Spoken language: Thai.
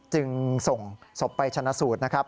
จึงส่งศพไปชนะสูตรนะครับ